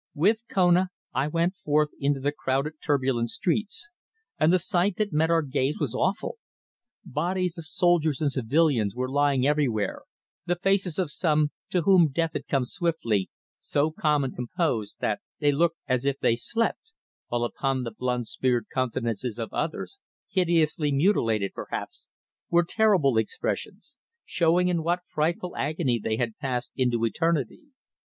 With Kona I went forth into the crowded, turbulent streets, and the sight that met our gaze was awful. Bodies of soldiers and civilians were lying everywhere, the faces of some, to whom death had come swiftly, so calm and composed that they looked as if they slept, while upon the blood smeared countenances of others, hideously mutilated perhaps, were terrible expressions, showing in what frightful agony they had passed into eternity.